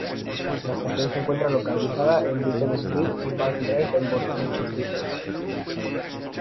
La estación se encuentra localizada en Beacon Street y Park Drive en Boston, Massachusetts.